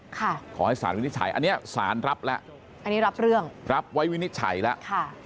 ขอให้สารวินิจฉัยอันเนี้ยสารรับแล้วอันนี้รับเรื่องรับไว้วินิจฉัยแล้วค่ะ